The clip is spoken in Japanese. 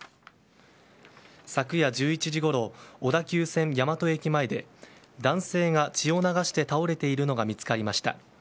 昨夜１１時ごろ小田急線大和駅前で男性が血を流して倒れているのが見つかりました。